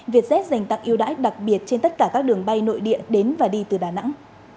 vietjet dành tặng yêu đáy đặc biệt trên tất cả các đường bay nội địa đến và đi từ đà nẵng